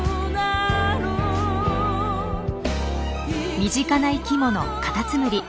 身近な生きものカタツムリ。